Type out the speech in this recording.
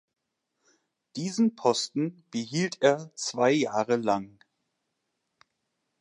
Diesen Posten behielt er zwei Jahre lang.